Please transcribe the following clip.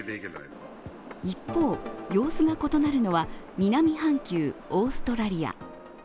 一方、様子が異なるのは南半球、オーストリア。